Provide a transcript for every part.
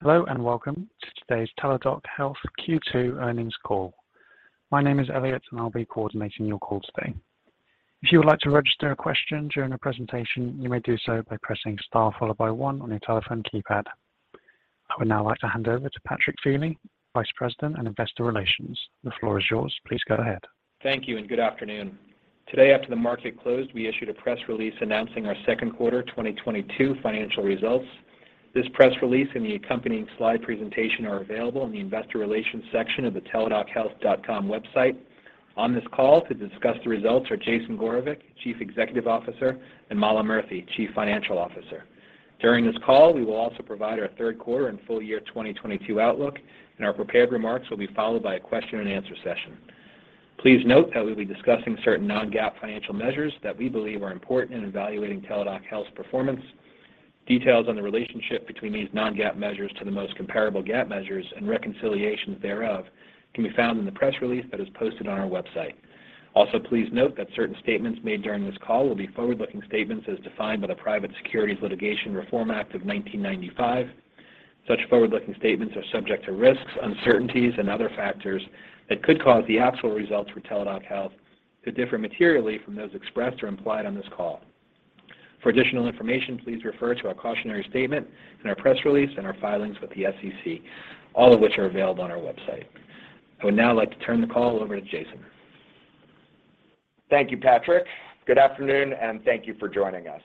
Hello and welcome to today's Teladoc Health Q2 earnings call. My name is Elliot, and I'll be coordinating your call today. If you would like to register a question during the presentation, you may do so by pressing star followed by one on your telephone keypad. I would now like to hand over to Patrick Feeley, Vice President and Investor Relations. The floor is yours. Please go ahead. Thank you and good afternoon. Today, after the market closed, we issued a press release announcing our second quarter 2022 financial results. This press release and the accompanying slide presentation are available in the investor relations section of the teladochealth.com website. On this call to discuss the results are Jason Gorevic, Chief Executive Officer, and Mala Murthy, Chief Financial Officer. During this call, we will also provide our third quarter and full year 2022 outlook, and our prepared remarks will be followed by a question and answer session. Please note that we'll be discussing certain non-GAAP financial measures that we believe are important in evaluating Teladoc Health's performance. Details on the relationship between these non-GAAP measures to the most comparable GAAP measures and reconciliations thereof can be found in the press release that is posted on our website. Also, please note that certain statements made during this call will be forward-looking statements as defined by the Private Securities Litigation Reform Act of 1995. Such forward-looking statements are subject to risks, uncertainties and other factors that could cause the actual results for Teladoc Health to differ materially from those expressed or implied on this call. For additional information, please refer to our cautionary statement in our press release and our filings with the SEC, all of which are available on our website. I would now like to turn the call over to Jason. Thank you, Patrick. Good afternoon, and thank you for joining us.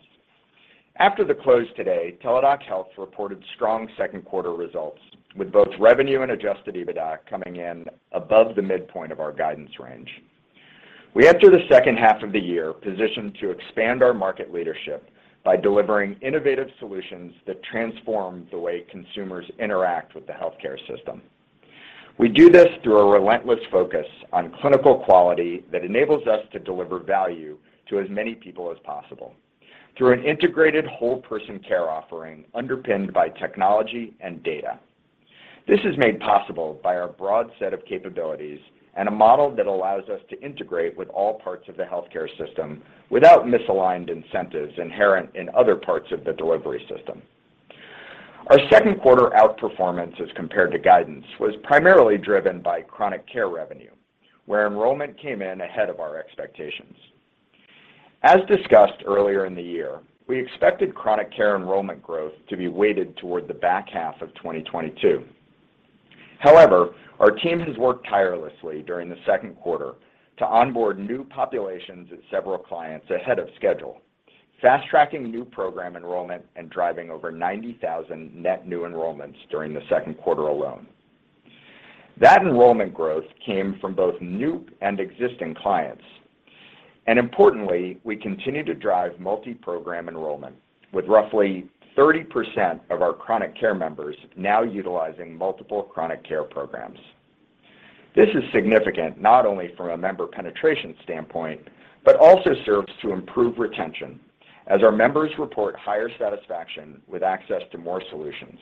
After the close today, Teladoc Health reported strong second quarter results with both revenue and adjusted EBITDA coming in above the midpoint of our guidance range. We enter the second half of the year positioned to expand our market leadership by delivering innovative solutions that transform the way consumers interact with the healthcare system. We do this through a relentless focus on clinical quality that enables us to deliver value to as many people as possible through an integrated whole-person care offering underpinned by technology and data. This is made possible by our broad set of capabilities and a model that allows us to integrate with all parts of the healthcare system without misaligned incentives inherent in other parts of the delivery system. Our second quarter outperformance as compared to guidance was primarily driven by chronic care revenue, where enrollment came in ahead of our expectations. As discussed earlier in the year, we expected chronic care enrollment growth to be weighted toward the back half of 2022. However, our team has worked tirelessly during the second quarter to onboard new populations at several clients ahead of schedule. Fast-tracking new program enrollment and driving over 90,000 net new enrollments during the second quarter alone. That enrollment growth came from both new and existing clients. Importantly, we continue to drive multi-program enrollment with roughly 30% of our chronic care members now utilizing multiple chronic care programs. This is significant not only from a member penetration standpoint, but also serves to improve retention as our members report higher satisfaction with access to more solutions.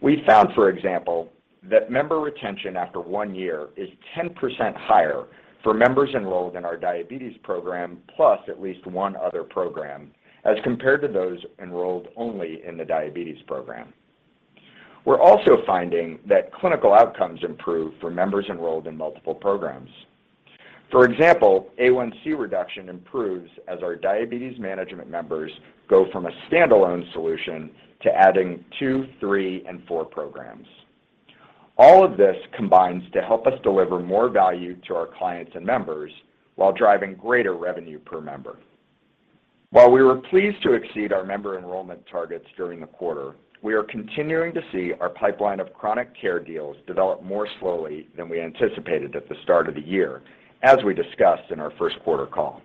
We found, for example, that member retention after one year is 10% higher for members enrolled in our diabetes program, plus at least one other program, as compared to those enrolled only in the diabetes program. We're also finding that clinical outcomes improve for members enrolled in multiple programs. For example, A1c reduction improves as our diabetes management members go from a standalone solution to adding two, three, and four programs. All of this combines to help us deliver more value to our clients and members while driving greater revenue per member. While we were pleased to exceed our member enrollment targets during the quarter, we are continuing to see our pipeline of chronic care deals develop more slowly than we anticipated at the start of the year, as we discussed in our first quarter call.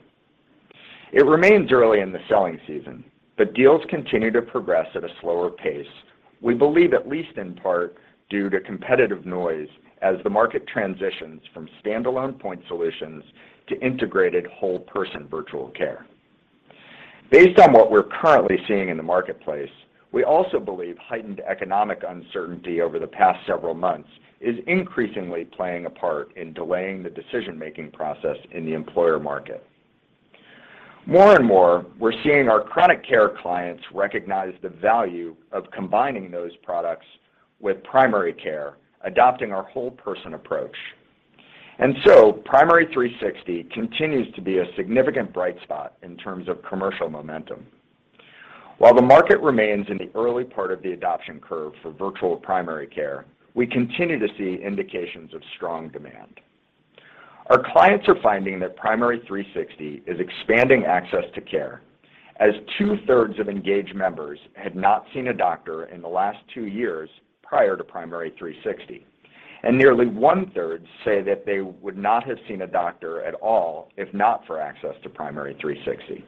It remains early in the selling season, but deals continue to progress at a slower pace. We believe at least in part due to competitive noise as the market transitions from standalone point solutions to integrated whole person virtual care. Based on what we're currently seeing in the marketplace, we also believe heightened economic uncertainty over the past several months is increasingly playing a part in delaying the decision-making process in the employer market. More and more, we're seeing our chronic care clients recognize the value of combining those products with primary care, adopting our whole person approach. Primary360 continues to be a significant bright spot in terms of commercial momentum. While the market remains in the early part of the adoption curve for virtual primary care, we continue to see indications of strong demand. Our clients are finding that Primary360 is expanding access to care as 2/3 of engaged members had not seen a doctor in the last two years prior to Primary360, and nearly one-third say that they would not have seen a doctor at all if not for access to Primary360.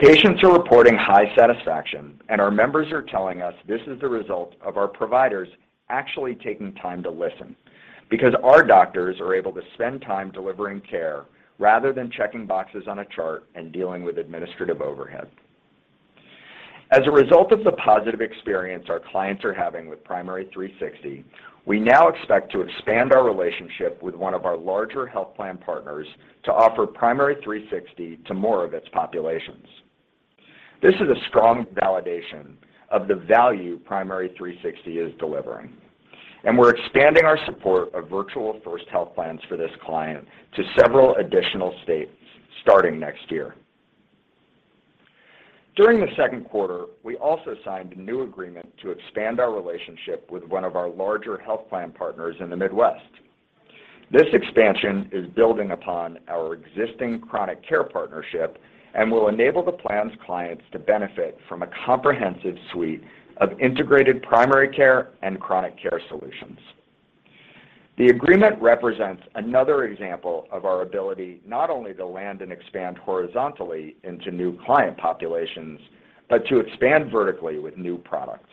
Patients are reporting high satisfaction, and our members are telling us this is the result of our providers actually taking time to listen because our doctors are able to spend time delivering care rather than checking boxes on a chart and dealing with administrative overhead. As a result of the positive experience our clients are having with Primary360, we now expect to expand our relationship with one of our larger health plan partners to offer Primary360 to more of its populations. This is a strong validation of the value Primary360 is delivering. We're expanding our support of virtual first health plans for this client to several additional states starting next year. During the second quarter, we also signed a new agreement to expand our relationship with one of our larger health plan partners in the Midwest. This expansion is building upon our existing chronic care partnership and will enable the plan's clients to benefit from a comprehensive suite of integrated primary care and chronic care solutions. The agreement represents another example of our ability not only to land and expand horizontally into new client populations, but to expand vertically with new products.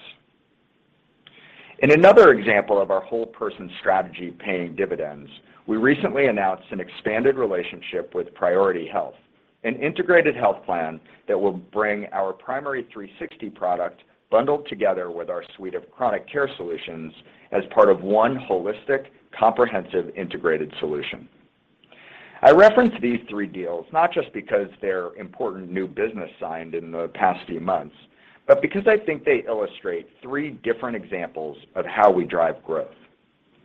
In another example of our whole-person strategy paying dividends, we recently announced an expanded relationship with Priority Health, an integrated health plan that will bring our Primary360 product bundled together with our suite of chronic care solutions as part of one holistic, comprehensive, integrated solution. I reference these three deals not just because they're important new business signed in the past few months, but because I think they illustrate three different examples of how we drive growth.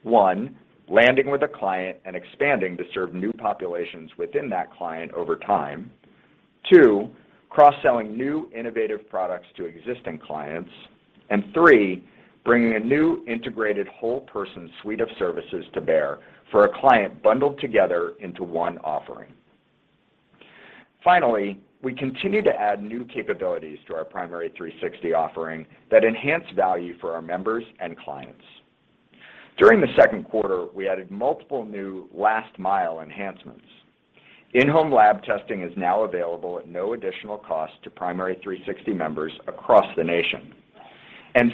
One, landing with a client and expanding to serve new populations within that client over time. Two, cross-selling new innovative products to existing clients. Three, bringing a new integrated whole person suite of services to bear for a client bundled together into one offering. Finally, we continue to add new capabilities to our Primary360 offering that enhance value for our members and clients. During the second quarter, we added multiple new last mile enhancements. In-home lab testing is now available at no additional cost to Primary360 members across the nation.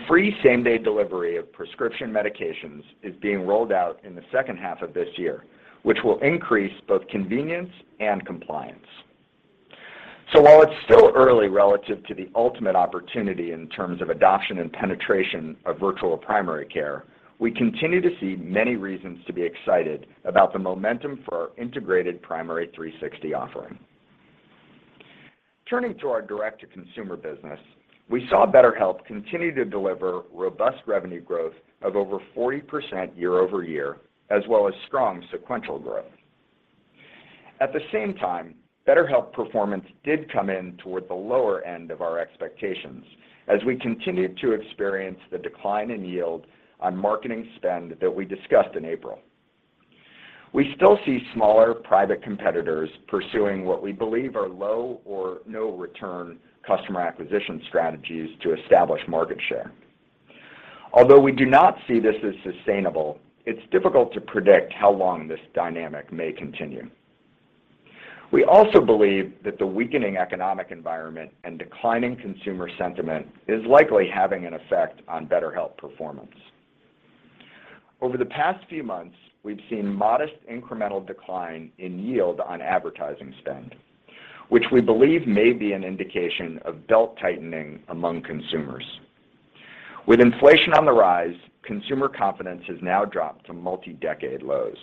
Free same-day delivery of prescription medications is being rolled out in the second half of this year, which will increase both convenience and compliance. While it's still early relative to the ultimate opportunity in terms of adoption and penetration of virtual primary care, we continue to see many reasons to be excited about the momentum for our integrated Primary360 offering. Turning to our direct-to-consumer business, we saw BetterHelp continue to deliver robust revenue growth of over 40% year-over-year, as well as strong sequential growth. At the same time, BetterHelp performance did come in toward the lower end of our expectations as we continued to experience the decline in yield on marketing spend that we discussed in April. We still see smaller private competitors pursuing what we believe are low or no return customer acquisition strategies to establish market share. Although we do not see this as sustainable, it's difficult to predict how long this dynamic may continue. We also believe that the weakening economic environment and declining consumer sentiment is likely having an effect on BetterHelp performance. Over the past few months, we've seen modest incremental decline in yield on advertising spend, which we believe may be an indication of belt-tightening among consumers. With inflation on the rise, consumer confidence has now dropped to multi-decade lows.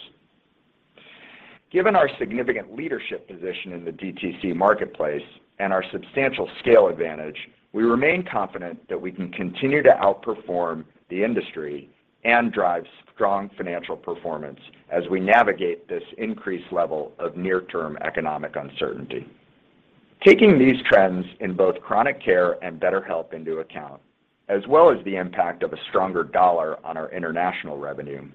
Given our significant leadership position in the DTC marketplace and our substantial scale advantage, we remain confident that we can continue to outperform the industry and drive strong financial performance as we navigate this increased level of near-term economic uncertainty. Taking these trends in both chronic care and BetterHelp into account, as well as the impact of a stronger dollar on our international revenue,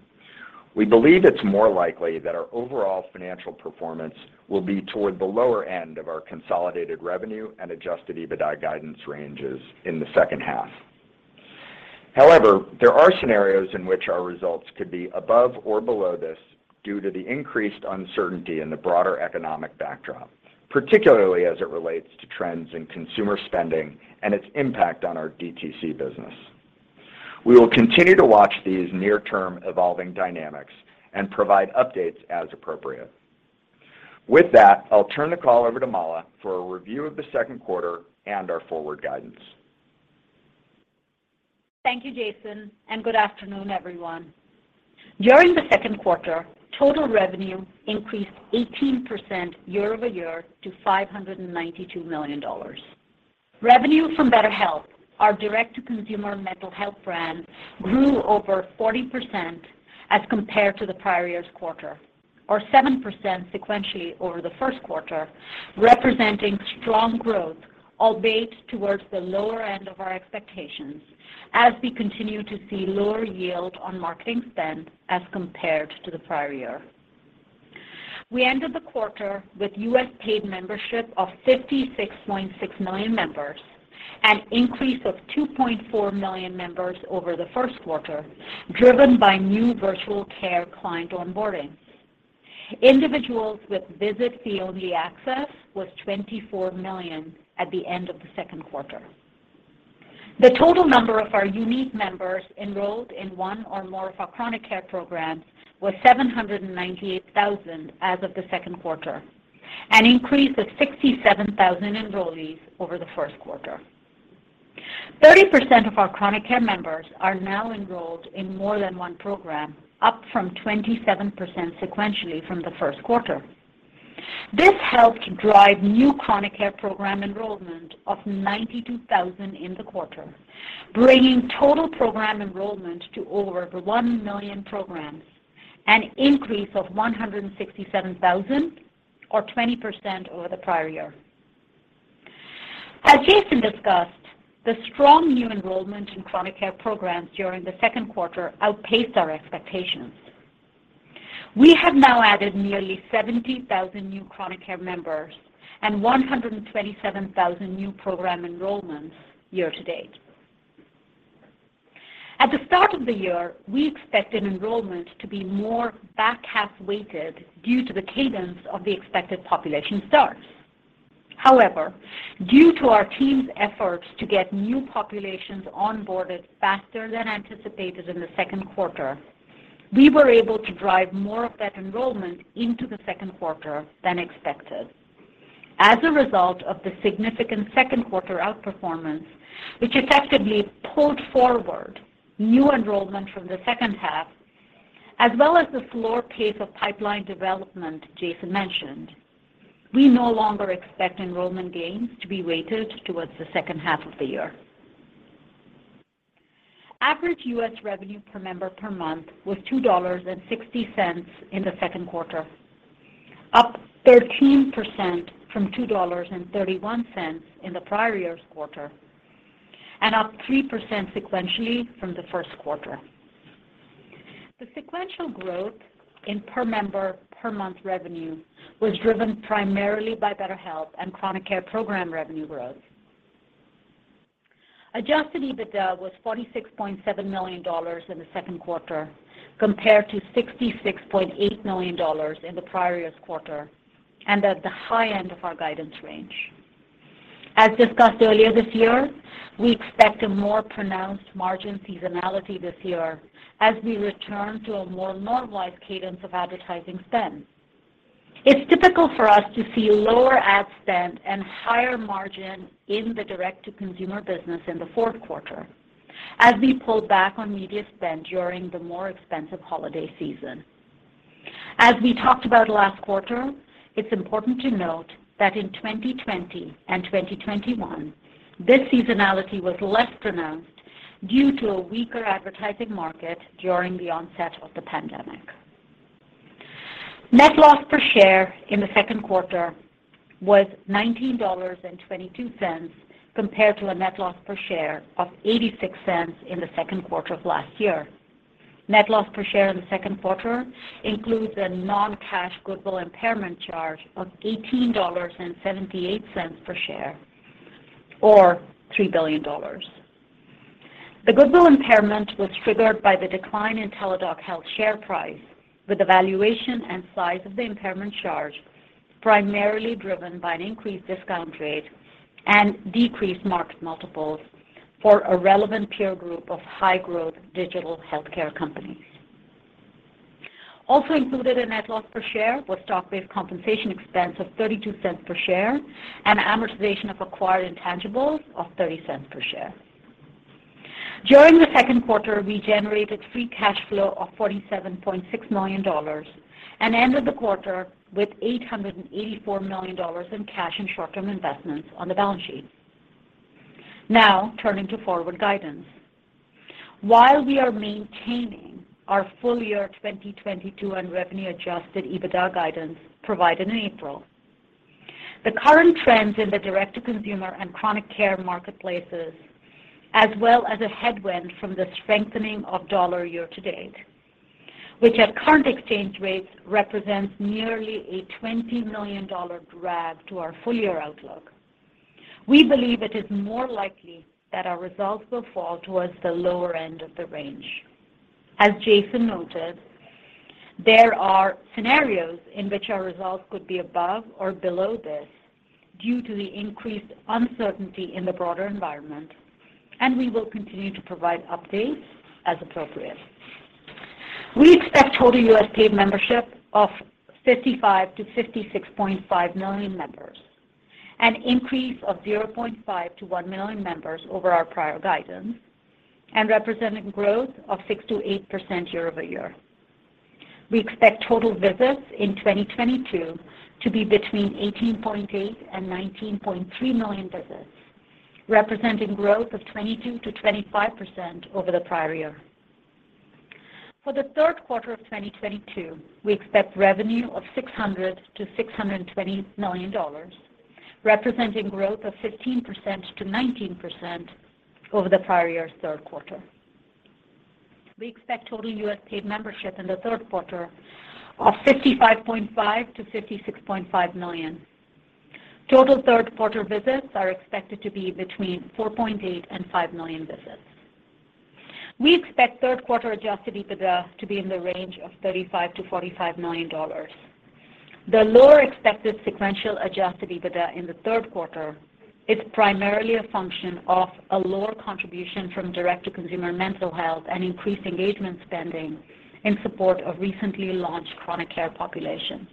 we believe it's more likely that our overall financial performance will be toward the lower end of our consolidated revenue and adjusted EBITDA guidance ranges in the second half. However, there are scenarios in which our results could be above or below this due to the increased uncertainty in the broader economic backdrop, particularly as it relates to trends in consumer spending and its impact on our DTC business. We will continue to watch these near-term evolving dynamics and provide updates as appropriate. With that, I'll turn the call over to Mala for a review of the second quarter and our forward guidance. Thank you, Jason, and good afternoon, everyone. During the second quarter, total revenue increased 18% year-over-year to $592 million. Revenue from BetterHelp, our direct-to-consumer mental health brand, grew over 40% as compared to the prior year's quarter or 7% sequentially over the first quarter, representing strong growth, albeit towards the lower end of our expectations as we continue to see lower yield on marketing spend as compared to the prior year. We ended the quarter with U.S. paid membership of 56.6 million members, an increase of 2.4 million members over the first quarter, driven by new virtual care client onboarding. Individuals with visit-fee-only access was 24 million at the end of the second quarter. The total number of our unique members enrolled in one or more of our chronic care programs was 798,000 as of the second quarter, an increase of 67,000 enrollees over the first quarter. 30% of our chronic care members are now enrolled in more than one program, up from 27% sequentially from the first quarter. This helped drive new chronic care program enrollment of 92,000 in the quarter, bringing total program enrollment to over 1 million programs, an increase of 167,000 or 20% over the prior year. As Jason discussed, the strong new enrollment in chronic care programs during the second quarter outpaced our expectations. We have now added nearly 70,000 new chronic care members and 127,000 new program enrollments year to date. At the start of the year, we expected enrollment to be more back-half weighted due to the cadence of the expected population starts. However, due to our team's efforts to get new populations onboarded faster than anticipated in the second quarter, we were able to drive more of that enrollment into the second quarter than expected. As a result of the significant second quarter outperformance, which effectively pulled forward new enrollment from the second half, as well as the slower pace of pipeline development Jason mentioned, we no longer expect enrollment gains to be weighted towards the second half of the year. Average U.S. revenue per member per month was $2.60 in the second quarter, up 13% from $2.31 in the prior year's quarter and up 3% sequentially from the first quarter. The sequential growth in per member per month revenue was driven primarily by BetterHelp and chronic care program revenue growth. Adjusted EBITDA was $46.7 million in the second quarter compared to $66.8 million in the prior year's quarter and at the high end of our guidance range. As discussed earlier this year, we expect a more pronounced margin seasonality this year as we return to a more normalized cadence of advertising spend. It's typical for us to see lower ad spend and higher margin in the direct-to-consumer business in the fourth quarter as we pull back on media spend during the more expensive holiday season. As we talked about last quarter, it's important to note that in 2020 and 2021, this seasonality was less pronounced due to a weaker advertising market during the onset of the pandemic. Net loss per share in the second quarter was $19.22 compared to a net loss per share of $0.86 in the second quarter of last year. Net loss per share in the second quarter includes a non-cash goodwill impairment charge of $18.78 per share or $3 billion. The goodwill impairment was triggered by the decline in Teladoc Health share price, with the valuation and size of the impairment charge primarily driven by an increased discount rate and decreased market multiples for a relevant peer group of high-growth digital healthcare companies. Also included in net loss per share was stock-based compensation expense of $0.32 per share and amortization of acquired intangibles of $0.30 per share. During the second quarter, we generated free cash flow of $47.6 million and ended the quarter with $884 million in cash and short-term investments on the balance sheet. Now, turning to forward guidance. While we are maintaining our full-year 2022 and revenue adjusted EBITDA guidance provided in April, the current trends in the direct-to-consumer and chronic care marketplaces, as well as a headwind from the strengthening of the dollar year to date, which at current exchange rates represents nearly a $20 million drag to our full-year outlook. We believe it is more likely that our results will fall towards the lower end of the range. As Jason noted, there are scenarios in which our results could be above or below this due to the increased uncertainty in the broader environment, and we will continue to provide updates as appropriate. We expect total U.S. paid membership of 55-56.5 million members, an increase of 0.5-1 million members over our prior guidance, and representing growth of 6%-8% year-over-year. We expect total visits in 2022 to be between 18.8 and 19.3 million visits, representing growth of 22%-25% over the prior year. For the third quarter of 2022, we expect revenue of $600 million-$620 million, representing growth of 15%-19% over the prior year's third quarter. We expect total U.S. paid membership in the third quarter of 55.5-56.5 million. Total third quarter visits are expected to be between 4.8 and 5 million visits. We expect third quarter adjusted EBITDA to be in the range of $35 million-$45 million. The lower expected sequential adjusted EBITDA in the third quarter is primarily a function of a lower contribution from direct-to-consumer mental health and increased engagement spending in support of recently launched chronic care populations.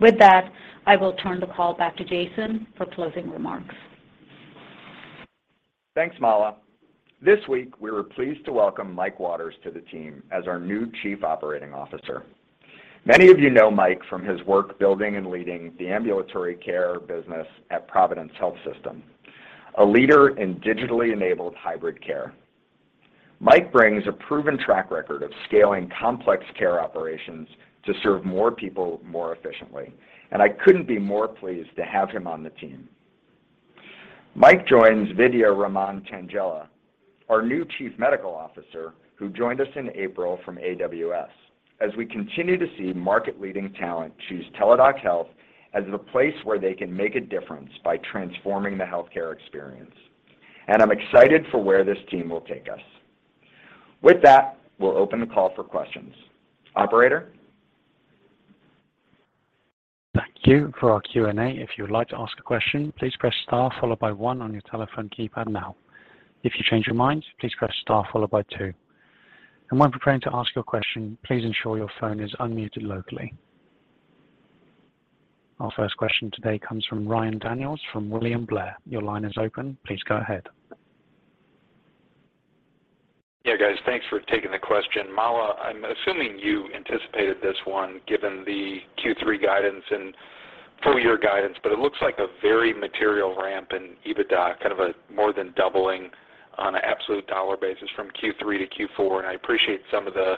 With that, I will turn the call back to Jason for closing remarks. Thanks, Mala. This week, we were pleased to welcome Mike Waters to the team as our new Chief Operating Officer. Many of you know Mike from his work building and leading the ambulatory care business at Providence Health & Services, a leader in digitally enabled hybrid care. Mike brings a proven track record of scaling complex care operations to serve more people more efficiently, and I couldn't be more pleased to have him on the team. Mike joins Vidya Raman-Tangella, our new Chief Medical Officer, who joined us in April from AWS, as we continue to see market-leading talent choose Teladoc Health as the place where they can make a difference by transforming the healthcare experience. I'm excited for where this team will take us. With that, we'll open the call for questions. Operator? Thank you. For our Q&A, if you would like to ask a question, please press star followed by one on your telephone keypad now. If you change your mind, please press star followed by two. When preparing to ask your question, please ensure your phone is unmuted locally. Our first question today comes from Ryan Daniels from William Blair. Your line is open. Please go ahead. Yeah, guys. Thanks for taking the question. Mala, I'm assuming you anticipated this one given the Q3 guidance and full year guidance, but it looks like a very material ramp in EBITDA, kind of a more than doubling on an absolute dollar basis from Q3 to Q4. I appreciate some of the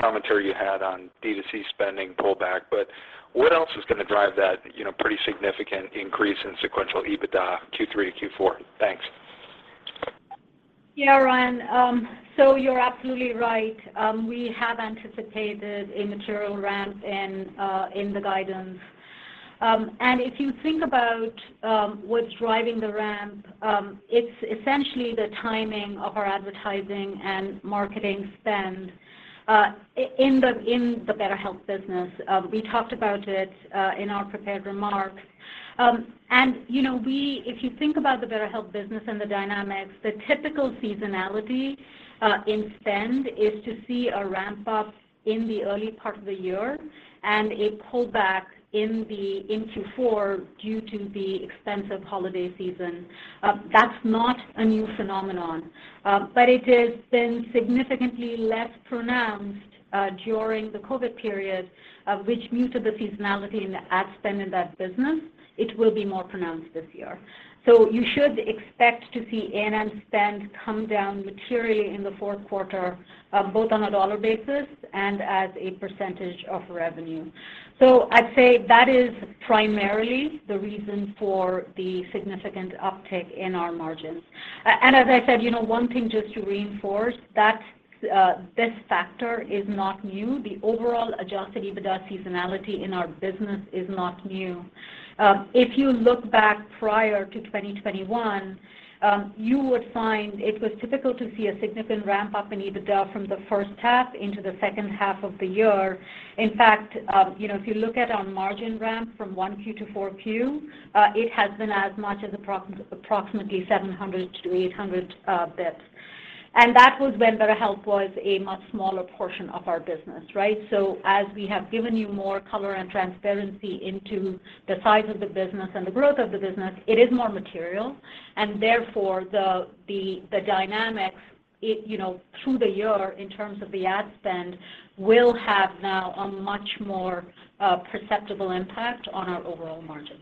commentary you had on D2C spending pullback, but what else is gonna drive that, you know, pretty significant increase in sequential EBITDA Q3 to Q4? Thanks. Yeah, Ryan. So you're absolutely right. We have anticipated a material ramp in the guidance. If you think about what's driving the ramp, it's essentially the timing of our advertising and marketing spend in the BetterHelp business. We talked about it in our prepared remarks. You know, if you think about the BetterHelp business and the dynamics, the typical seasonality in spend is to see a ramp up in the early part of the year and a pullback in Q4 due to the expensive holiday season. That's not a new phenomenon, but it has been significantly less pronounced during the COVID period, which muted the seasonality in the ad spend in that business. It will be more pronounced this year. You should expect to see A&M spend come down materially in the fourth quarter, both on a dollar basis and as a percentage of revenue. I'd say that is primarily the reason for the significant uptick in our margins. As I said, you know, one thing just to reinforce, that this factor is not new. The overall adjusted EBITDA seasonality in our business is not new. If you look back prior to 2021, you would find it was typical to see a significant ramp up in EBITDA from the first half into the second half of the year. In fact, you know, if you look at our margin ramp from 1Q to 4Q, it has been as much as approximately 700-800 basis points. That was when BetterHelp was a much smaller portion of our business, right? As we have given you more color and transparency into the size of the business and the growth of the business, it is more material, and therefore, the dynamics, you know, through the year in terms of the ad spend will have now a much more perceptible impact on our overall margins.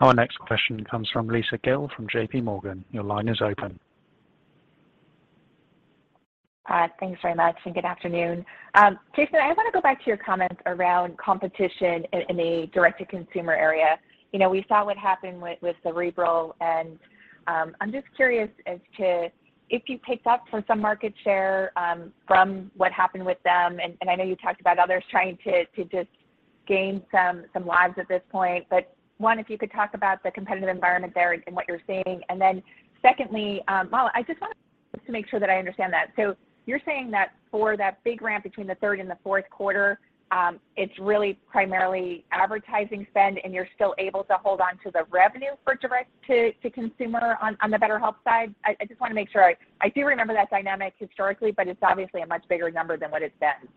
Our next question comes from Lisa Gill from JPMorgan. Your line is open. Hi. Thanks very much, and good afternoon. Jason, I wanna go back to your comments around competition in the direct-to-consumer area. You know, we saw what happened with Cerebral, and I'm just curious as to if you picked up some market share from what happened with them. I know you talked about others trying to just gain some lives at this point. One, if you could talk about the competitive environment there and what you're seeing. Then secondly, Mala, I just wanted to make sure that I understand that. You're saying that for that big ramp between the third and the fourth quarter, it's really primarily advertising spend, and you're still able to hold on to the revenue for direct-to-consumer on the BetterHelp side? I just wanna make sure I... I do remember that dynamic historically, but it's obviously a much bigger number than what it's been.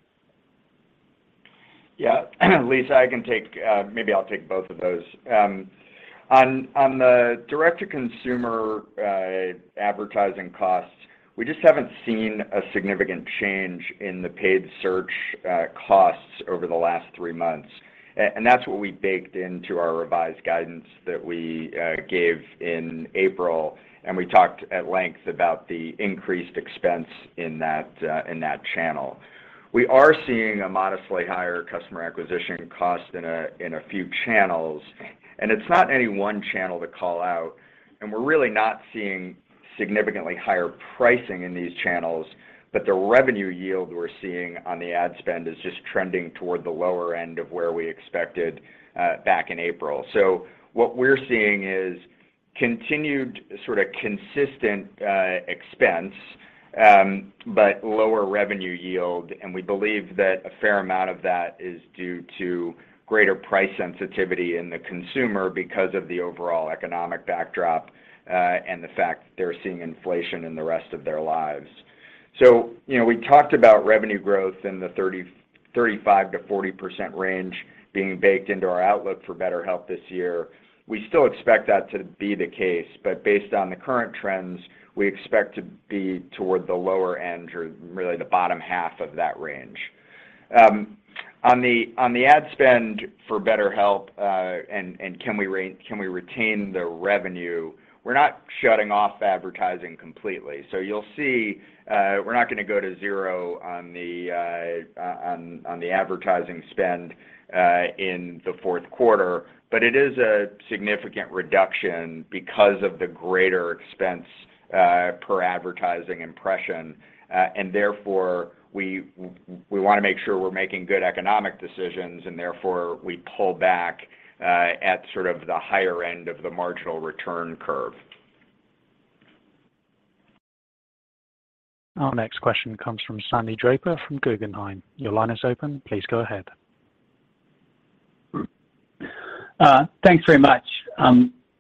Yeah. Lisa, I can take maybe I'll take both of those. On the direct-to-consumer advertising costs, we just haven't seen a significant change in the paid search costs over the last three months. And that's what we baked into our revised guidance that we gave in April, and we talked at length about the increased expense in that channel. We are seeing a modestly higher customer acquisition cost in a few channels, and it's not any one channel to call out. We're really not seeing significantly higher pricing in these channels, but the revenue yield we're seeing on the ad spend is just trending toward the lower end of where we expected back in April. What we're seeing is continued sort of consistent expense but lower revenue yield. We believe that a fair amount of that is due to greater price sensitivity in the consumer because of the overall economic backdrop, and the fact they're seeing inflation in the rest of their lives. You know, we talked about revenue growth in the 35%-40% range being baked into our outlook for BetterHelp this year. We still expect that to be the case, but based on the current trends, we expect to be toward the lower end or really the bottom half of that range. On the ad spend for BetterHelp, and can we retain the revenue, we're not shutting off advertising completely. You'll see, we're not gonna go to zero on the advertising spend in the fourth quarter, but it is a significant reduction because of the greater expense per advertising impression. Therefore, we wanna make sure we're making good economic decisions and therefore we pull back at sort of the higher end of the marginal return curve. Our next question comes from Sandy Draper from Guggenheim. Your line is open. Please go ahead. Thanks very much.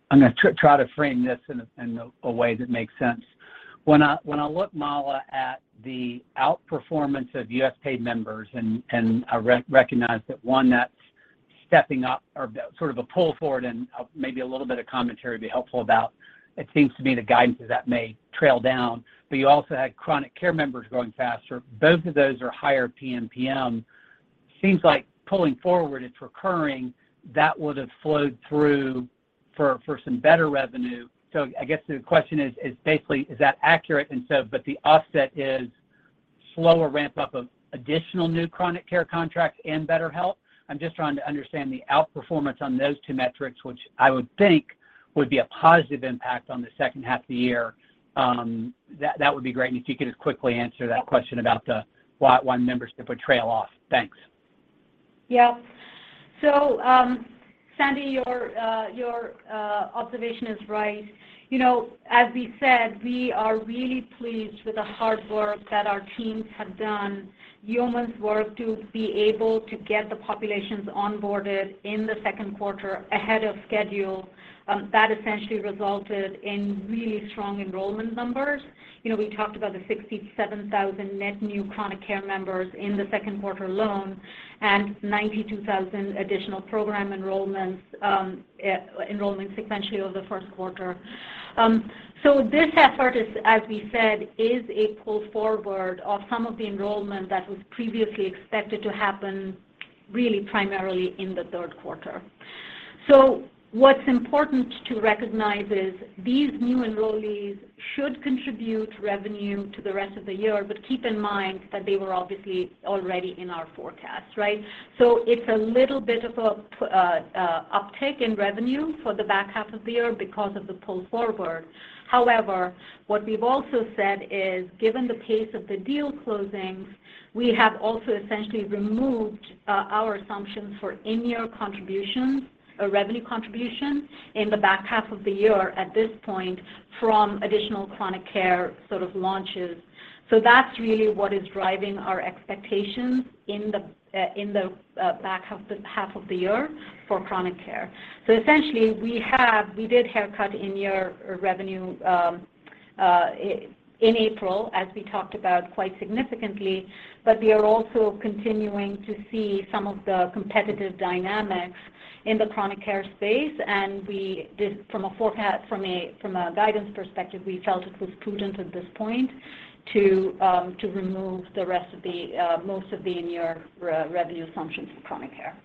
I'm gonna try to frame this in a way that makes sense. When I look, Mala, at the outperformance of U.S. paid members, and I recognize that one that's stepping up or sort of a pull forward and maybe a little bit of commentary would be helpful about, it seems to me the guidance is that may trail down, but you also had chronic care members growing faster. Both of those are higher PMPM. Seems like pulling forward, it's recurring, that would have flowed through for some better revenue. I guess the question is basically is that accurate, but the offset is slower ramp up of additional new chronic care contracts in BetterHelp? I'm just trying to understand the outperformance on those two metrics, which I would think would be a positive impact on the second half of the year. That would be great if you could just quickly answer that question about the why membership would trail off. Thanks. Yeah. Sandy, your observation is right. You know, as we said, we are really pleased with the hard work that our teams have done. Yeoman's work to be able to get the populations onboarded in the second quarter ahead of schedule, that essentially resulted in really strong enrollment numbers. You know, we talked about the 67,000 net new chronic care members in the second quarter alone and 92,000 additional program enrollments sequentially over the first quarter. This effort is, as we said, a pull forward of some of the enrollment that was previously expected to happen really primarily in the third quarter. What's important to recognize is these new enrollees should contribute revenue to the rest of the year, but keep in mind that they were obviously already in our forecast, right? It's a little bit of an uptick in revenue for the back half of the year because of the pull forward. What we've also said is, given the pace of the deal closings, we have also essentially removed our assumptions for in-year contributions or revenue contributions in the back half of the year at this point from additional chronic care sort of launches. That's really what is driving our expectations in the back half of the year for chronic care. Essentially, we did haircut in-year revenue in April, as we talked about quite significantly, but we are also continuing to see some of the competitive dynamics in the chronic care space, and we did from a guidance perspective, we felt it was prudent at this point to remove the rest of the most of the in-year revenue assumptions for chronic care.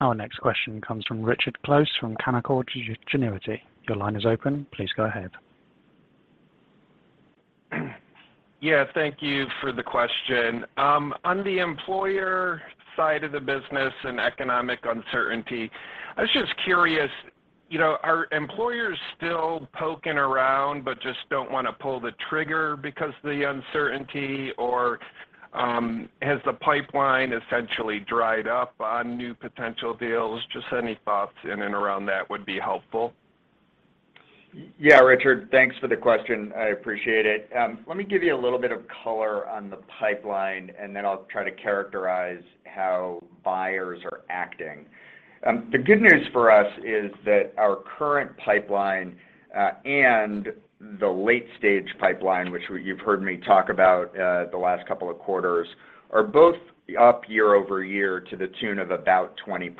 Our next question comes from Richard Close from Canaccord Genuity. Your line is open. Please go ahead. Yeah. Thank you for the question. On the employer side of the business and economic uncertainty, I was just curious, you know, are employers still poking around but just don't wanna pull the trigger because of the uncertainty? Or, has the pipeline essentially dried up on new potential deals? Just any thoughts in and around that would be helpful. Yeah, Richard. Thanks for the question. I appreciate it. Let me give you a little bit of color on the pipeline, and then I'll try to characterize how buyers are acting. The good news for us is that our current pipeline and the late-stage pipeline, which you've heard me talk about the last couple of quarters, are both up year over year to the tune of about 20%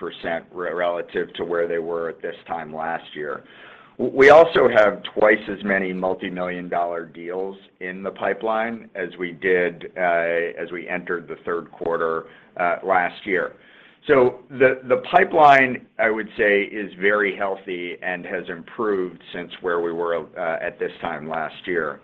relative to where they were at this time last year. We also have twice as many multimillion-dollar deals in the pipeline as we did as we entered the third quarter last year. The pipeline, I would say is very healthy and has improved since where we were at this time last year.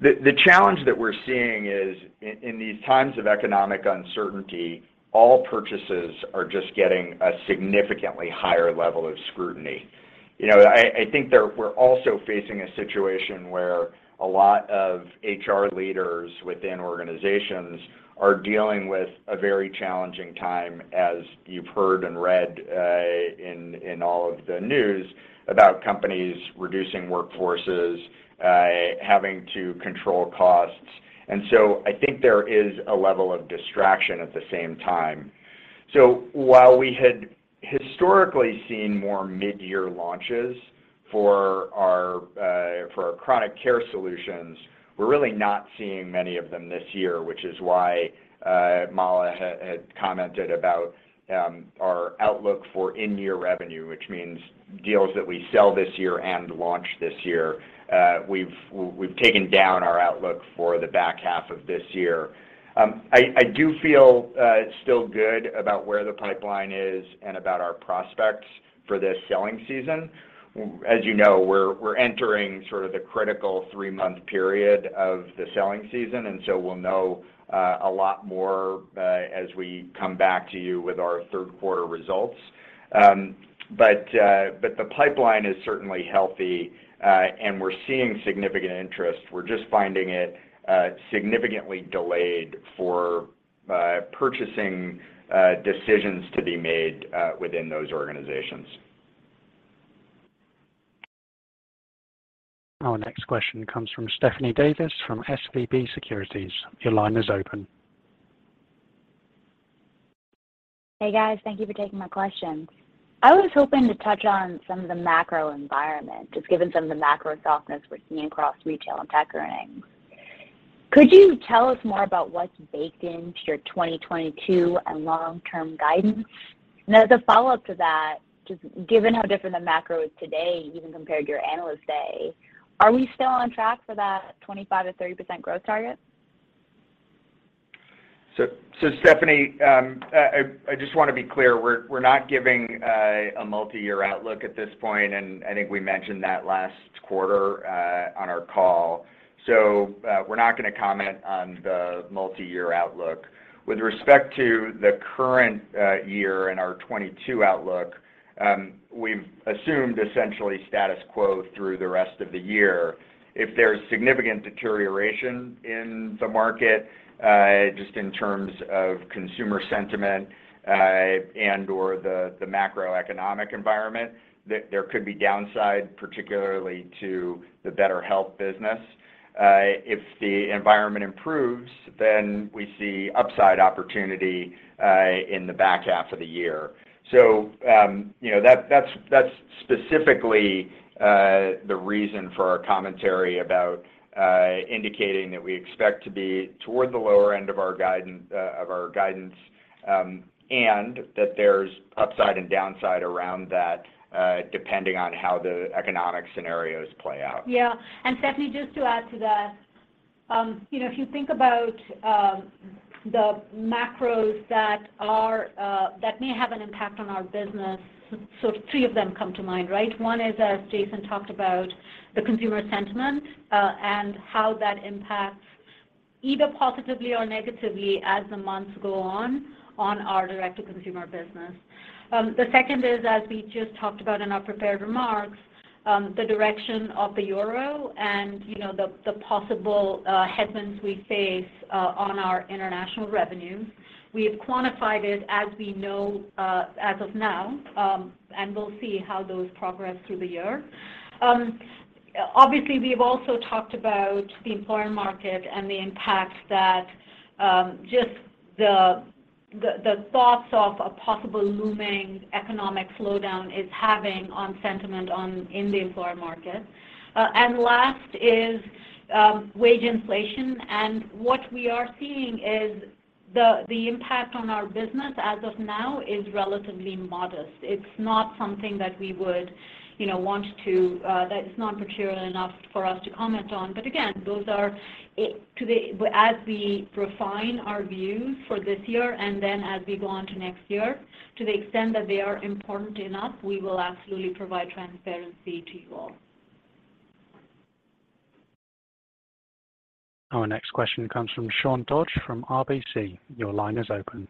The challenge that we're seeing is in these times of economic uncertainty, all purchases are just getting a significantly higher level of scrutiny. You know, I think we're also facing a situation where a lot of HR leaders within organizations are dealing with a very challenging time, as you've heard and read in all of the news about companies reducing workforces, having to control costs. I think there is a level of distraction at the same time. While we had historically seen more mid-year launches for our chronic care solutions, we're really not seeing many of them this year, which is why Mala had commented about our outlook for in-year revenue, which means deals that we sell this year and launch this year. We've taken down our outlook for the back half of this year. I do feel still good about where the pipeline is and about our prospects for this selling season. As you know, we're entering sort of the critical three-month period of the selling season, and so we'll know a lot more as we come back to you with our third quarter results. The pipeline is certainly healthy, and we're seeing significant interest. We're just finding it significantly delayed for purchasing decisions to be made within those organizations. Our next question comes from Stephanie Davis from SVB Securities. Your line is open. Hey, guys. Thank you for taking my question. I was hoping to touch on some of the macro environment, just given some of the macro softness we're seeing across retail and tech earnings. Could you tell us more about what's baked into your 2022 and long-term guidance? As a follow-up to that, just given how different the macro is today, even compared to your Analyst Day, are we still on track for that 25%-30% growth target? Stephanie, I just want to be clear. We're not giving a multiyear outlook at this point, and I think we mentioned that last quarter on our call. We're not gonna comment on the multiyear outlook. With respect to the current year and our 2022 outlook, we've assumed essentially status quo through the rest of the year. If there's significant deterioration in the market just in terms of consumer sentiment and/or the macroeconomic environment, there could be downside, particularly to the BetterHelp business. If the environment improves, then we see upside opportunity in the back half of the year. You know, that's specifically the reason for our commentary about indicating that we expect to be toward the lower end of our guidance, and that there's upside and downside around that, depending on how the economic scenarios play out. Yeah. Stephanie, just to add to that, you know, if you think about the macros that may have an impact on our business, so three of them come to mind, right? One is, as Jason talked about, the consumer sentiment and how that impacts either positively or negatively as the months go on our direct-to-consumer business. The second is, as we just talked about in our prepared remarks, the direction of the euro and, you know, the possible headwinds we face on our international revenues. We have quantified it as we know, as of now, and we'll see how those progress through the year. Obviously, we've also talked about the employer market and the impact that just the thoughts of a possible looming economic slowdown is having on sentiment in the employer market. Last is wage inflation. What we are seeing is the impact on our business as of now is relatively modest. It's not something that we would, you know, want to. That's not material enough for us to comment on. Again, those are, as we refine our views for this year and then as we go on to next year, to the extent that they are important enough, we will absolutely provide transparency to you all. Our next question comes from Sean Dodge from RBC. Your line is open.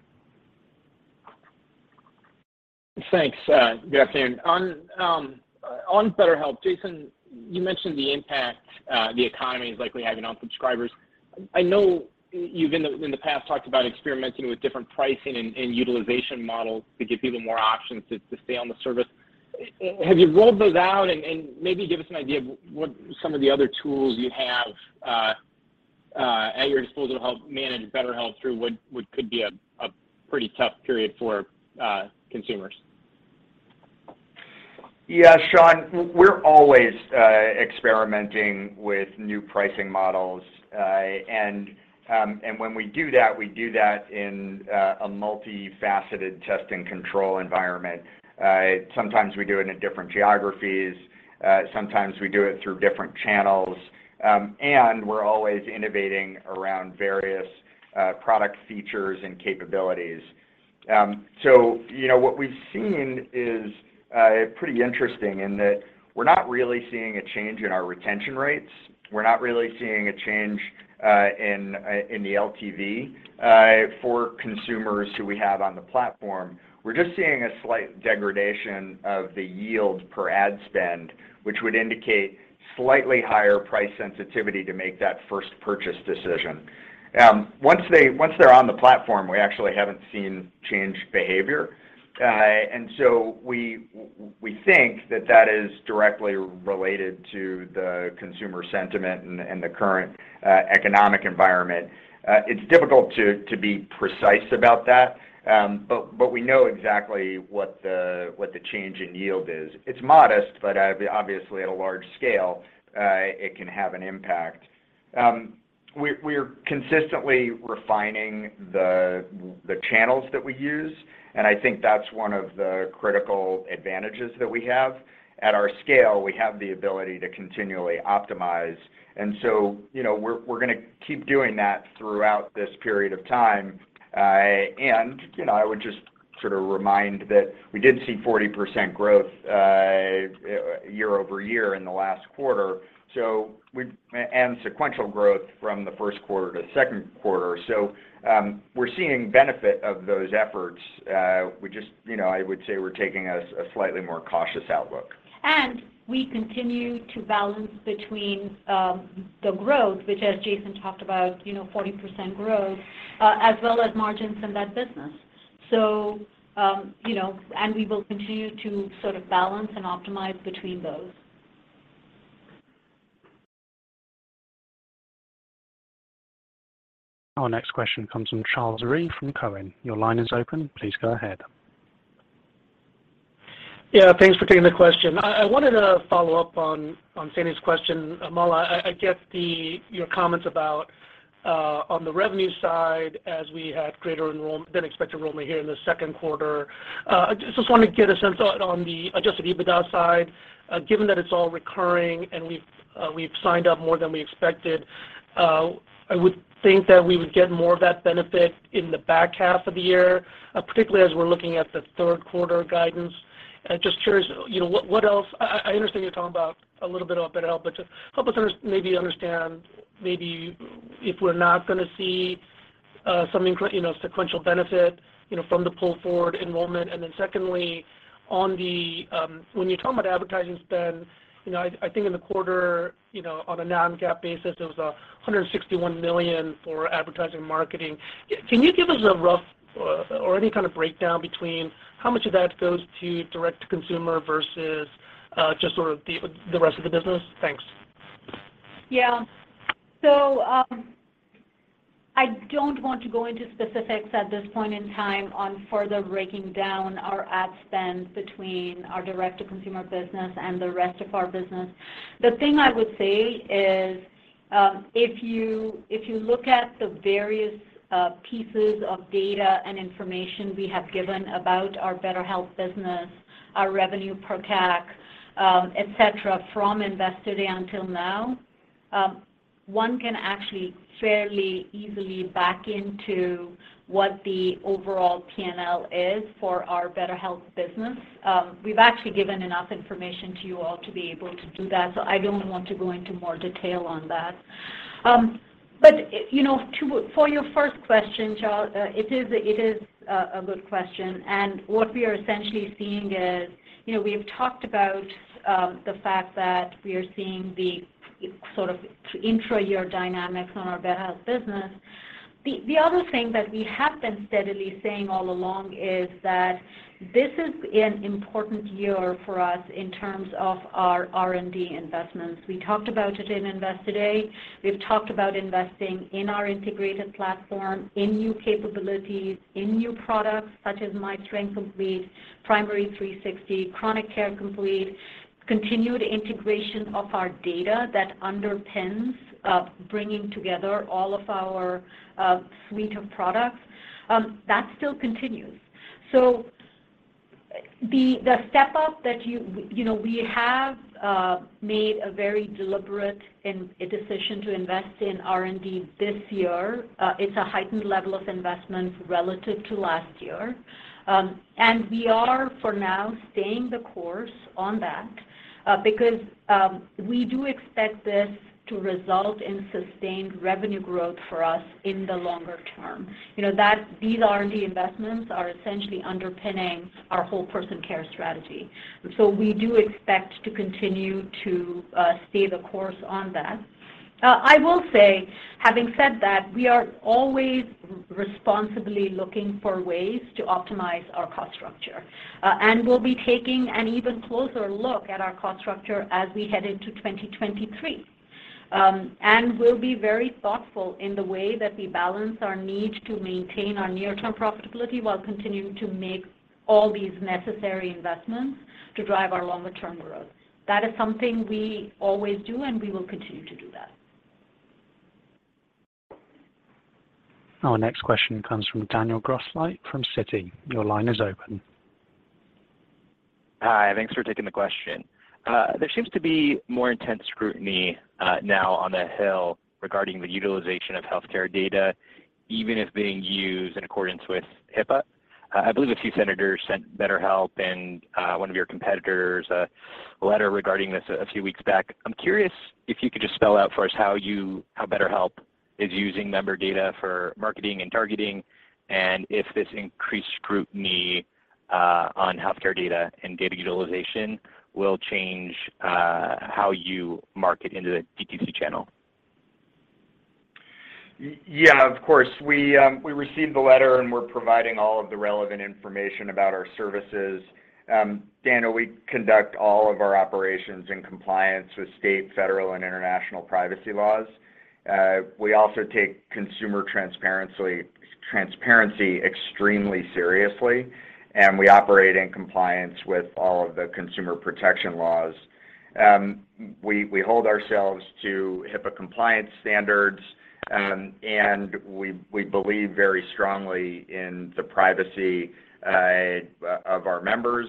Thanks. Good afternoon. On BetterHelp, Jason, you mentioned the impact the economy is likely having on subscribers. I know you've in the past talked about experimenting with different pricing and utilization models to give people more options to stay on the service. Have you rolled those out? Maybe give us an idea of what some of the other tools you have at your disposal to help manage BetterHelp through what could be a pretty tough period for consumers. Yeah, Sean, we're always experimenting with new pricing models. When we do that, we do that in a multifaceted test and control environment. Sometimes we do it in different geographies. Sometimes we do it through different channels. We're always innovating around various product features and capabilities. So, you know, what we've seen is pretty interesting in that we're not really seeing a change in our retention rates. We're not really seeing a change in the LTV for consumers who we have on the platform. We're just seeing a slight degradation of the yield per ad spend, which would indicate slightly higher price sensitivity to make that first purchase decision. Once they're on the platform, we actually haven't seen changed behavior. We think that is directly related to the consumer sentiment and the current economic environment. It's difficult to be precise about that, but we know exactly what the change in yield is. It's modest, but obviously at a large scale, it can have an impact. We're consistently refining the channels that we use, and I think that's one of the critical advantages that we have. At our scale, we have the ability to continually optimize. You know, we're gonna keep doing that throughout this period of time. You know, I would just sort of remind that we did see 40% growth year-over-year in the last quarter, and sequential growth from the first quarter to second quarter. We're seeing benefit of those efforts. We just, you know, I would say we're taking a slightly more cautious outlook. We continue to balance between the growth, which as Jason talked about, you know, 40% growth, as well as margins in that business. You know, we will continue to sort of balance and optimize between those. Our next question comes from Charles Rhyee from Cowen. Your line is open. Please go ahead. Yeah. Thanks for taking the question. I wanted to follow up on Sandy's question, Mala. I get your comments about on the revenue side as we had greater than expected enrollment here in the second quarter. I just wanna get a sense on the adjusted EBITDA side, given that it's all recurring and we've signed up more than we expected, I would think that we would get more of that benefit in the back half of the year, particularly as we're looking at the third quarter guidance. Just curious, you know, what else. I understand you're talking about a little bit of BetterHelp, but just help us understand maybe if we're not gonna see some, you know, sequential benefit, you know, from the pull forward enrollment. Secondly, when you talk about advertising spend, you know, I think in the quarter, you know, on a non-GAAP basis, it was $161 million for advertising and marketing. Can you give us a rough or any kind of breakdown between how much of that goes to direct to consumer versus just sort of the rest of the business? Thanks. Yeah. I don't want to go into specifics at this point in time on further breaking down our ad spend between our direct to consumer business and the rest of our business. The thing I would say is, if you look at the various pieces of data and information we have given about our BetterHelp business, our revenue per CAC, et cetera, from Investor Day until now, one can actually fairly easily back into what the overall P&L is for our BetterHelp business. We've actually given enough information to you all to be able to do that, so I don't want to go into more detail on that. You know, for your first question, Charles, it is a good question, and what we are essentially seeing is, you know, we have talked about the fact that we are seeing the sort of intra-year dynamics on our BetterHelp business. The other thing that we have been steadily saying all along is that this is an important year for us in terms of our R&D investments. We talked about it in Investor Day. We've talked about investing in our integrated platform, in new capabilities, in new products such as myStrength Complete, Primary360, Chronic Care Complete, continued integration of our data that underpins bringing together all of our suite of products, that still continues. The step up that you. You know, we have made a very deliberate decision to invest in R&D this year. It's a heightened level of investment relative to last year. We are, for now, staying the course on that, because we do expect this to result in sustained revenue growth for us in the longer term. You know, these R&D investments are essentially underpinning our whole-person care strategy. We do expect to continue to stay the course on that. I will say, having said that, we are always responsibly looking for ways to optimize our cost structure. We'll be taking an even closer look at our cost structure as we head into 2023. We'll be very thoughtful in the way that we balance our need to maintain our near-term profitability while continuing to make all these necessary investments to drive our longer-term growth. That is something we always do, and we will continue to do that. Our next question comes from Daniel Grosslight from Citi. Your line is open. Hi. Thanks for taking the question. There seems to be more intense scrutiny now on the Hill regarding the utilization of healthcare data, even if being used in accordance with HIPAA. I believe a few senators sent BetterHelp and one of your competitors a letter regarding this a few weeks back. I'm curious if you could just spell out for us how BetterHelp is using member data for marketing and targeting, and if this increased scrutiny on healthcare data and data utilization will change how you market into the DTC channel. Yeah, of course. We received the letter, and we're providing all of the relevant information about our services. Daniel, we conduct all of our operations in compliance with state, federal, and international privacy laws. We also take consumer transparency extremely seriously, and we operate in compliance with all of the consumer protection laws. We hold ourselves to HIPAA compliance standards. We believe very strongly in the privacy of our members.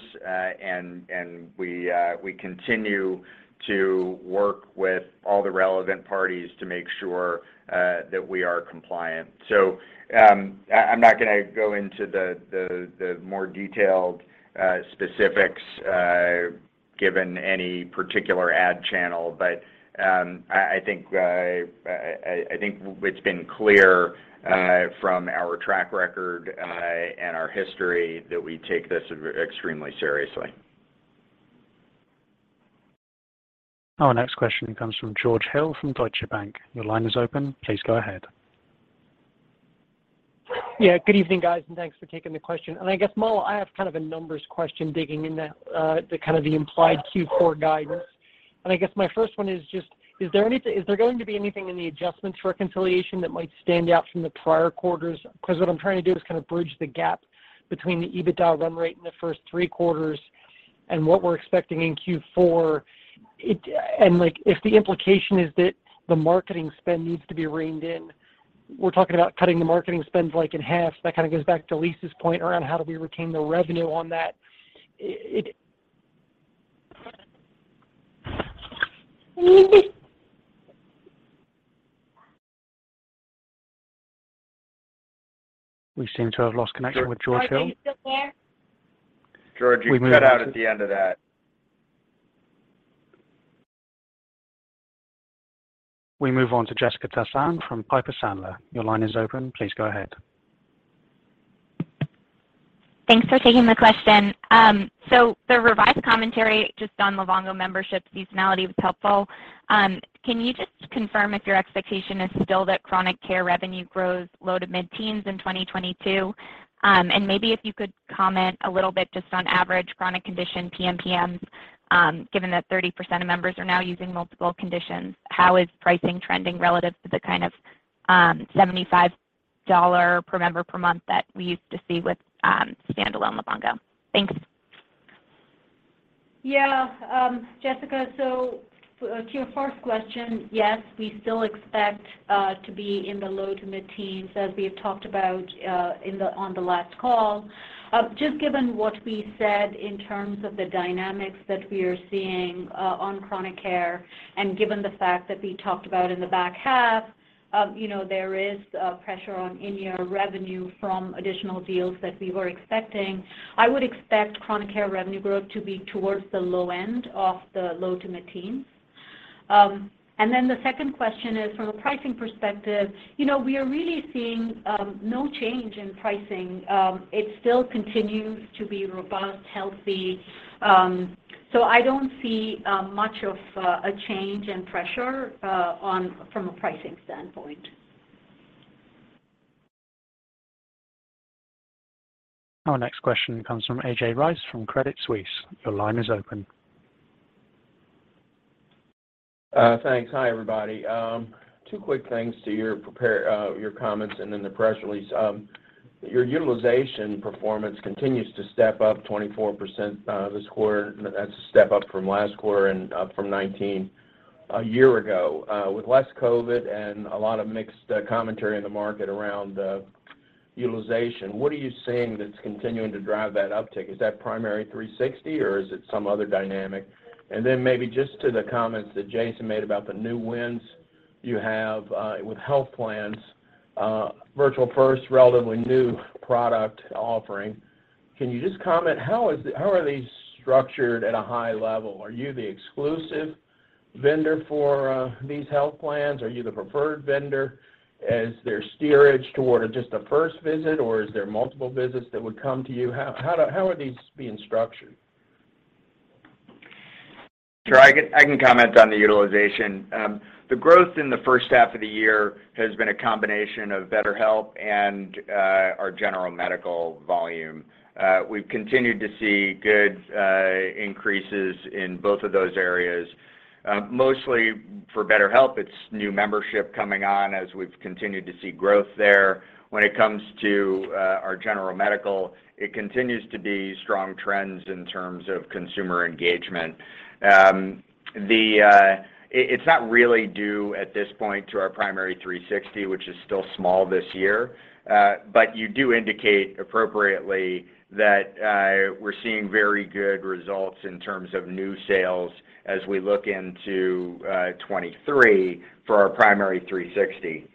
We continue to work with all the relevant parties to make sure that we are compliant. I'm not gonna go into the more detailed specifics given any particular ad channel, but I think it's been clear from our track record and our history that we take this extremely seriously. Our next question comes from George Hill from Deutsche Bank. Your line is open. Please go ahead. Yeah, good evening, guys, and thanks for taking the question. I guess, Mala, I have kind of a numbers question digging into the kind of the implied Q4 guidance. I guess my first one is just, is there going to be anything in the adjustments reconciliation that might stand out from the prior quarters? Because what I'm trying to do is kind of bridge the gap between the EBITDA run rate in the first three quarters and what we're expecting in Q4. Like, if the implication is that the marketing spend needs to be reined in, we're talking about cutting the marketing spend, like, in half. That kind of goes back to Lisa's point around how do we retain the revenue on that. We seem to have lost connection with George Hill. George, are you still there? George, you cut out at the end of that. We move on to Jessica Tassan from Piper Sandler. Your line is open. Please go ahead. Thanks for taking the question. The revised commentary just on Livongo membership seasonality was helpful. Can you just confirm if your expectation is still that chronic care revenue grows low to mid-teens in 2022? Maybe if you could comment a little bit just on average chronic condition PMPMs, given that 30% of members are now using multiple conditions, how is pricing trending relative to the, kind of, $75 per member per month that we used to see with standalone Livongo? Thanks. Yeah. Jessica, to your first question, yes, we still expect to be in the low to mid-teens as we have talked about on the last call. Just given what we said in terms of the dynamics that we are seeing on chronic care and given the fact that we talked about in the back half, you know, there is pressure on in-year revenue from additional deals that we were expecting. I would expect chronic care revenue growth to be towards the low end of the low to mid-teens. Then the second question is from a pricing perspective. You know, we are really seeing no change in pricing. It still continues to be robust, healthy. I don't see much of a change in pressure from a pricing standpoint. Our next question comes from A.J. Rice from Credit Suisse. Your line is open. Thanks. Hi, everybody. Two quick things to your prepared comments and then the press release. Your utilization performance continues to step up 24% this quarter. That's a step up from last quarter and up from 19% a year ago. With less COVID and a lot of mixed commentary in the market around utilization, what are you seeing that's continuing to drive that uptick? Is that Primary360 or is it some other dynamic? Maybe just to the comments that Jason made about the new wins you have with health plans, virtual first, relatively new product offering. Can you just comment, how are these structured at a high level? Are you the exclusive vendor for these health plans? Are you the preferred vendor? Is there steerage toward just a first visit or is there multiple visits that would come to you? How are these being structured? Sure. I can comment on the utilization. The growth in the first half of the year has been a combination of BetterHelp and our general medical volume. We've continued to see good increases in both of those areas. Mostly for BetterHelp, it's new membership coming on as we've continued to see growth there. When it comes to our general medical, it continues to be strong trends in terms of consumer engagement. It's not really due at this point to our Primary360, which is still small this year. But you do indicate appropriately that we're seeing very good results in terms of new sales as we look into 2023 for our Primary360.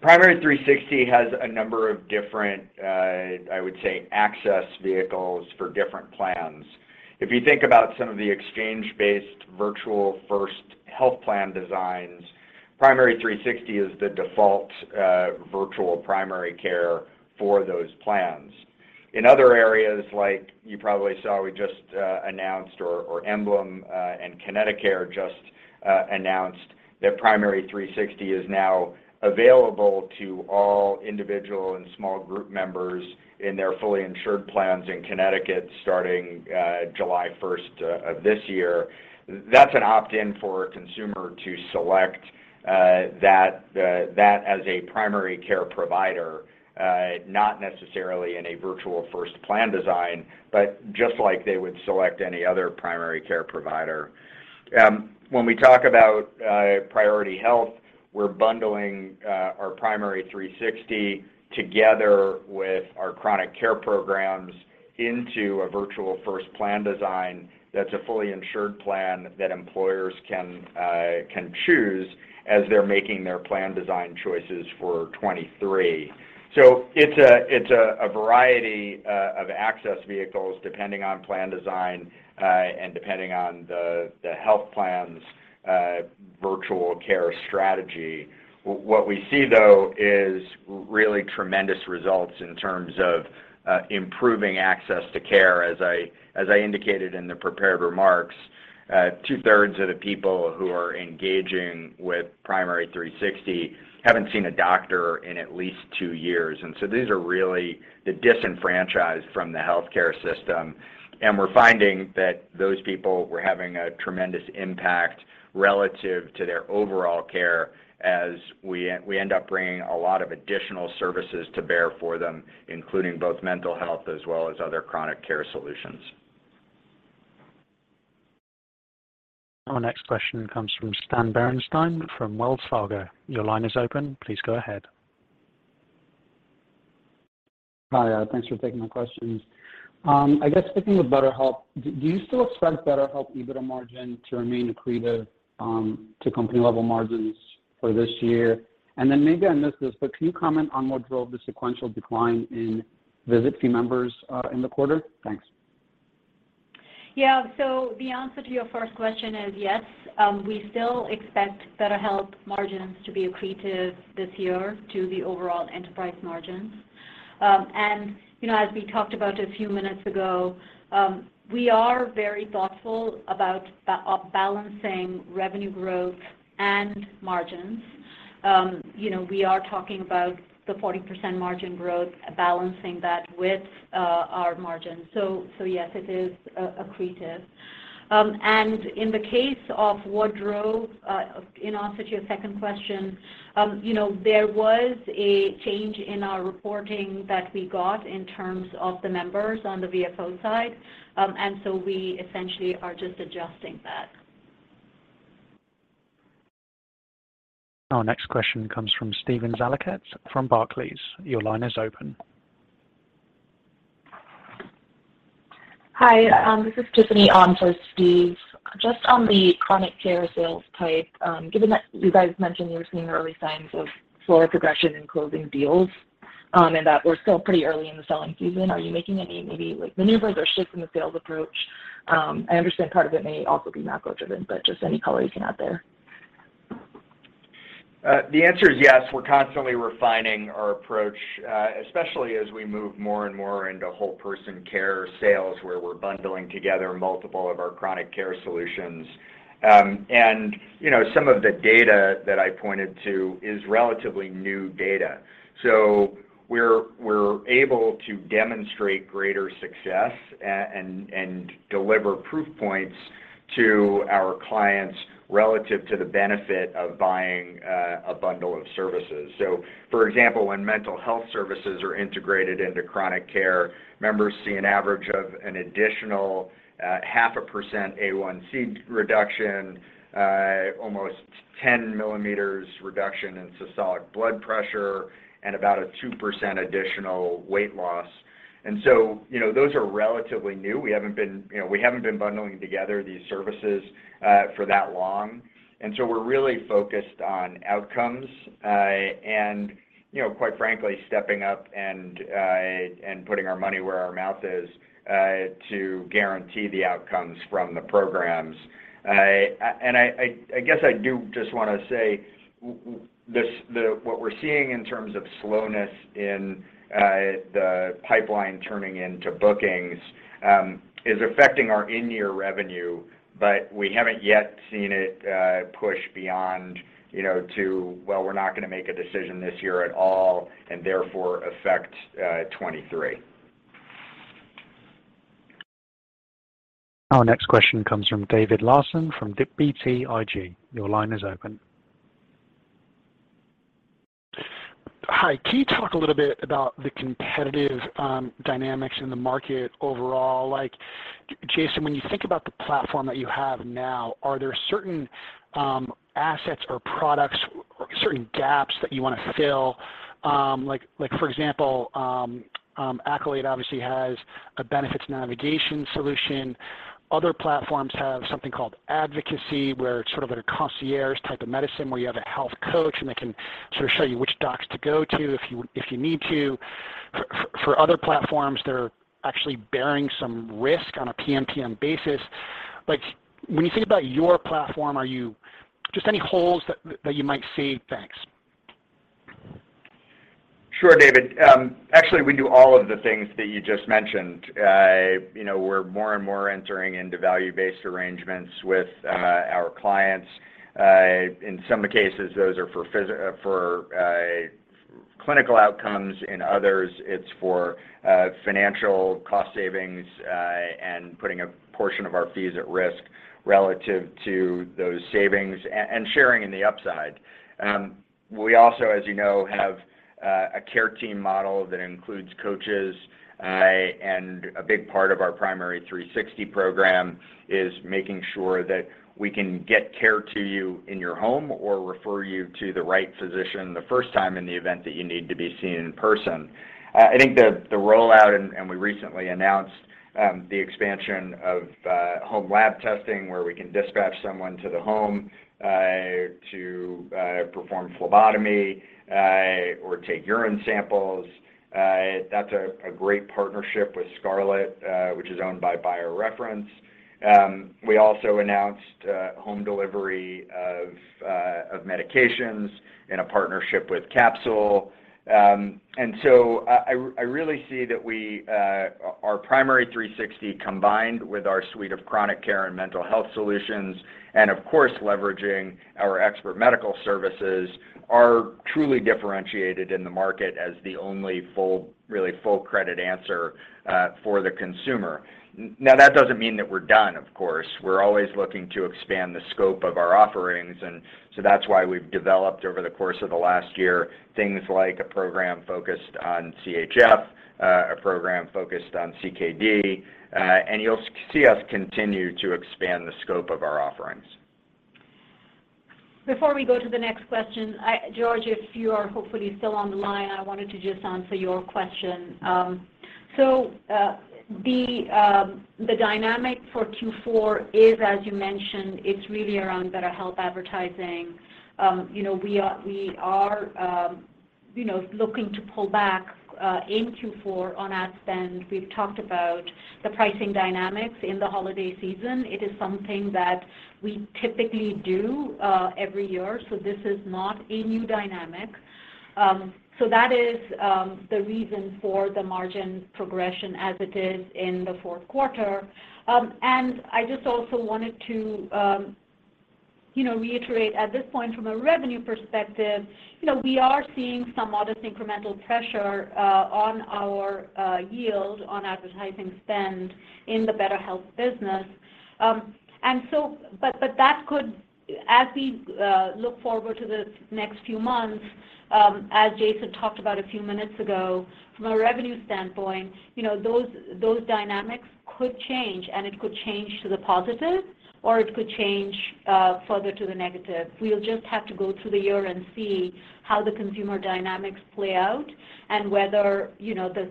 Primary360 has a number of different, I would say, access vehicles for different plans. If you think about some of the exchange-based virtual first health plan designs, Primary360 is the default virtual primary care for those plans. In other areas, like you probably saw, EmblemHealth and Connecticut just announced that Primary360 is now available to all individual and small group members in their fully insured plans in Connecticut starting July 1 of this year. That's an opt-in for a consumer to select that as a primary care provider, not necessarily in a virtual first plan design, but just like they would select any other primary care provider. When we talk about Priority Health, we're bundling our Primary360 together with our chronic care programs into a virtual first plan design that's a fully insured plan that employers can choose as they're making their plan design choices for 2023. It's a variety of access vehicles depending on plan design and depending on the health plan's virtual care strategy. What we see though is really tremendous results in terms of improving access to care. As I indicated in the prepared remarks, 2/3 of the people who are engaging with Primary360 haven't seen a doctor in at least two years. These are really the disenfranchised from the healthcare system, and we're finding that those people were having a tremendous impact relative to their overall care as we end up bringing a lot of additional services to bear for them, including both mental health as well as other chronic care solutions. Our next question comes from Stan Berenshteyn from Wells Fargo. Your line is open. Please go ahead. Hi. Thanks for taking my questions. I guess sticking with BetterHelp, do you still expect BetterHelp EBITDA margin to remain accretive to company-level margins for this year? Then maybe I missed this, but can you comment on what drove the sequential decline in visit fee members in the quarter? Thanks. Yeah. The answer to your first question is yes, we still expect BetterHelp margins to be accretive this year to the overall enterprise margins. You know, as we talked about a few minutes ago, we are very thoughtful about balancing revenue growth and margins. You know, we are talking about the 40% margin growth, balancing that with our margins. Yes, it is accretive. In the case of Woodrow, in answer to your second question, you know, there was a change in our reporting that we got in terms of the members on the VFO side. We essentially are just adjusting that. Our next question comes from Steven Valiquette from Barclays. Your line is open. Hi, this is Tiffany on for Steven. Just on the chronic care sales cycle, given that you guys mentioned you were seeing early signs of slower progression in closing deals, and that we're still pretty early in the selling season, are you making any maybe, like, maneuvers or shifts in the sales approach? I understand part of it may also be macro-driven, but just any color you can add there. The answer is yes, we're constantly refining our approach, especially as we move more and more into whole-person care sales where we're bundling together multiple of our chronic care solutions. You know, some of the data that I pointed to is relatively new data. We're able to demonstrate greater success and deliver proof points to our clients relative to the benefit of buying a bundle of services. For example, when mental health services are integrated into chronic care, members see an average of an additional 0.5% A1c reduction, almost 10 mm reduction in systolic blood pressure, and about a 2% additional weight loss. You know, those are relatively new. We haven't been, you know, we haven't been bundling together these services for that long, and so we're really focused on outcomes, and, you know, quite frankly, stepping up and putting our money where our mouth is to guarantee the outcomes from the programs. I guess I do just wanna say what we're seeing in terms of slowness in the pipeline turning into bookings is affecting our in-year revenue, but we haven't yet seen it push beyond, you know, to, "Well, we're not gonna make a decision this year at all," and therefore affect 2023. Our next question comes from David Larsen from BTIG. Your line is open. Hi. Can you talk a little bit about the competitive dynamics in the market overall? Like, Jason, when you think about the platform that you have now, are there certain assets or products or certain gaps that you wanna fill? Like, for example, Accolade obviously has a benefits navigation solution. Other platforms have something called advocacy, where it's sort of at a concierge type of medicine where you have a health coach and they can sort of show you which docs to go to if you need to. For other platforms that are actually bearing some risk on a PMPM basis. Like when you think about your platform, are there just any holes that you might see? Thanks. Sure, David. Actually we do all of the things that you just mentioned. You know, we're more and more entering into value-based arrangements with our clients. In some cases, those are for clinical outcomes. In others, it's for financial cost savings, and putting a portion of our fees at risk relative to those savings and sharing in the upside. We also, as you know, have a care team model that includes coaches, and a big part of our Primary360 program is making sure that we can get care to you in your home or refer you to the right physician the first time in the event that you need to be seen in person. I think the rollout and we recently announced the expansion of home lab testing where we can dispatch someone to the home to perform phlebotomy or take urine samples. That's a great partnership with Scarlet which is owned by BioReference. We also announced home delivery of medications in a partnership with Capsule. I really see that we our Primary360 combined with our suite of chronic care and mental health solutions and of course leveraging our expert medical services are truly differentiated in the market as the only full-spectrum answer for the consumer. Now, that doesn't mean that we're done, of course. We're always looking to expand the scope of our offerings, and so that's why we've developed over the course of the last year things like a program focused on CHF, a program focused on CKD, and you'll see us continue to expand the scope of our offerings. Before we go to the next question, George, if you are hopefully still on the line, I wanted to just answer your question. The dynamic for Q4 is, as you mentioned, it's really around BetterHelp advertising. You know, we are looking to pull back in Q4 on ad spend. We've talked about the pricing dynamics in the holiday season. It is something that we typically do every year, so this is not a new dynamic. That is the reason for the margin progression as it is in the fourth quarter. I just also wanted to you know, reiterate at this point from a revenue perspective, you know, we are seeing some modest incremental pressure on our yield on advertising spend in the BetterHelp business. As we look forward to the next few months, as Jason talked about a few minutes ago, from a revenue standpoint, you know, those dynamics could change, and it could change to the positive, or it could change further to the negative. We'll just have to go through the year and see how the consumer dynamics play out and whether, you know, the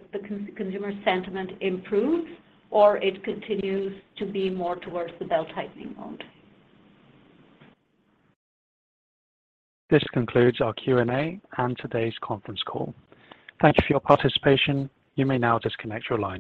consumer sentiment improves or it continues to be more towards the belt-tightening mode. This concludes our Q&A and today's conference call. Thank you for your participation. You may now disconnect your line.